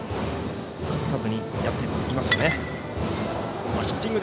崩さずにやっていますね。